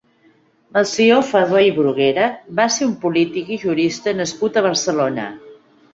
Melcior Ferrer i Bruguera va ser un polític i jurista nascut a Barcelona.